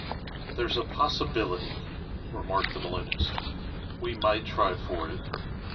"There's a possibility," remarked the balloonist "We might try for it.